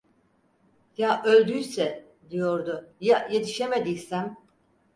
Ya öldüyse, diyordu, ya yetişemediysem!